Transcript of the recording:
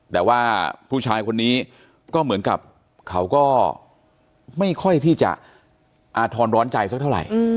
แต่ว่าผู้ชายคนนี้ก็เหมือนกับเขาก็ไม่ค่อยที่จะอาธรณ์ร้อนใจสักเท่าไหร่